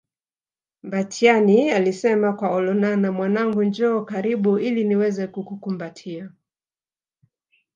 Mbatiany alisema kwa Olonana Mwanangu njoo karibu ili niweze kukukumbatia